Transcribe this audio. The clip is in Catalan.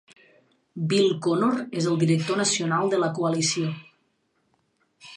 Bill Connor és el director nacional de la coalició.